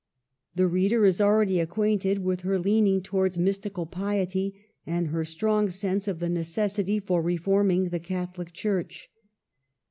The reader is already acquainted with her leaning towards mystical piety, and her strong sense of the necessity for reforming the Catholic Church.